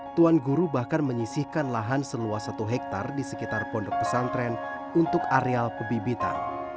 tuan guru bahkan menyisihkan lahan seluas satu hektare di sekitar pondok pesantren untuk areal pebibitan